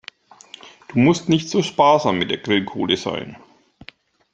Du musst nicht so sparsam mit der Grillkohle sein.